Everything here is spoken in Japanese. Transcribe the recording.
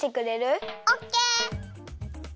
オッケー！